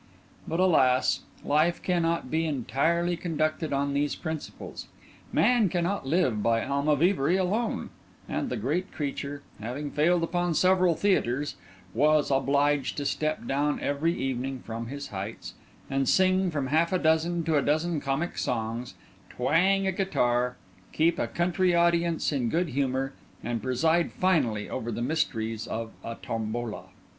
But, alas! life cannot be entirely conducted on these principles; man cannot live by Almavivery alone; and the Great Creature, having failed upon several theatres, was obliged to step down every evening from his heights, and sing from half a dozen to a dozen comic songs, twang a guitar, keep a country audience in good humour, and preside finally over the mysteries of a tombola.